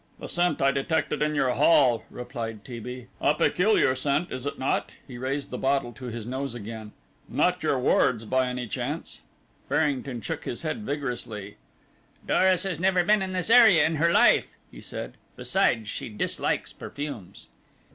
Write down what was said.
"The scent I detected in your hall," replied T. B. "A peculiar scent, is it not?" He raised the bottle to his nose again. "Not your ward's by any chance?" Farrington shook his head vigorously. "Doris has never been in this area in her life," he said; "besides, she dislikes perfumes."